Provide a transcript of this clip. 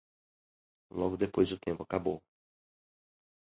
Logo depois o tempo acabou.